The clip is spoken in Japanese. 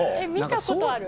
見たことある？